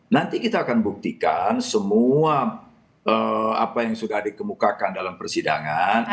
nanti kita akan buktikan semua apa yang sudah dikemukakan dalam persidangan